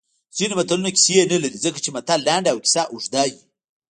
ځینې متلونه کیسې نه لري ځکه چې متل لنډ او کیسه اوږده وي